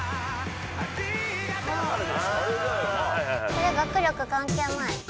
これ学力関係ない。